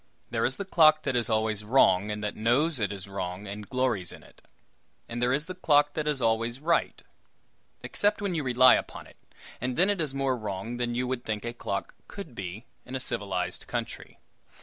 There is the clock that is always wrong, and that knows it is wrong, and glories in it; and there is the clock that is always right except when you rely upon it, and then it is more wrong than you would think a clock could be in a civilized country.